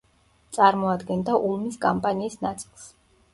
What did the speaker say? წარმოადგენდა ულმის კამპანიის ნაწილს.